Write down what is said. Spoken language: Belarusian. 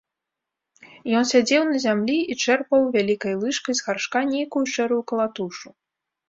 Ён сядзеў на зямлі і чэрпаў вялікай лыжкай з гаршка нейкую шэрую калатушу.